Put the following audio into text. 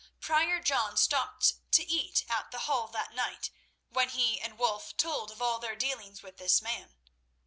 Prior John stopped to eat at the Hall that night, when he and Wulf told of all their dealings with this man.